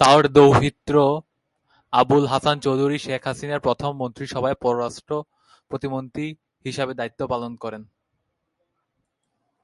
তার দৌহিত্র আবুল হাসান চৌধুরী শেখ হাসিনার প্রথম মন্ত্রিসভায় পররাষ্ট্র প্রতিমন্ত্রী হিসেবে দায়িত্ব পালন করেন।